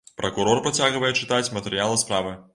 Пракурор працягвае чытаць матэрыялы справы.